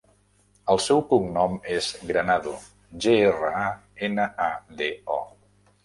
El seu cognom és Granado: ge, erra, a, ena, a, de, o.